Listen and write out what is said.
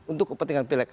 untuk kepentingan pileg